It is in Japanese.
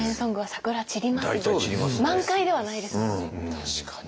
確かに。